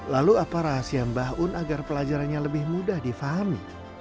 lalu apa rahasia mbah un agar pelajarannya lebih mudah difahami